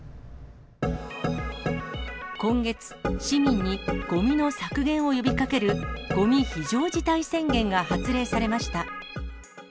今月、市民にごみの削減を呼びかける、ごみ非常事態宣言が発令されました。